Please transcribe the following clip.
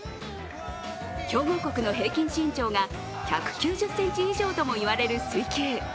強豪国の平均身長が１９０ｃｍ以上ともいわれる水球。